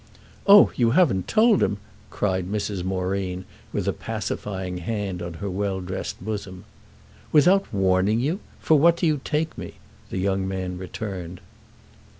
"Oh you haven't told him?" cried Mrs. Moreen with a pacifying hand on her well dressed bosom. "Without warning you? For what do you take me?" the young man returned.